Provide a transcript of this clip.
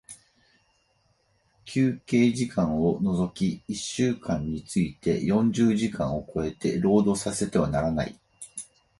休憩時間を除き一週間について四十時間を超えて、労働させてはならない。